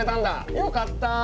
よかった！